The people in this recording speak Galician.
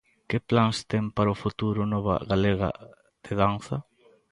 Que plans ten para o futuro Nova Galega de Danza?